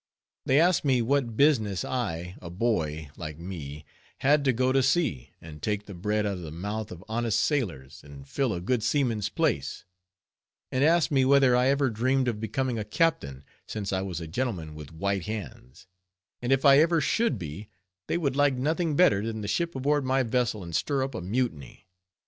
They asked me what business I, a boy like me, had to go to sea, and take the bread out of the mouth of honest sailors, and fill a good seaman's place; and asked me whether I ever dreamed of becoming a captain, since I was a gentleman with white hands; and if I ever should be, they would like nothing better than to ship aboard my vessel and stir up a mutiny.